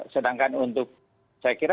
sedangkan untuk tiongkok untuk wnbi masih bisa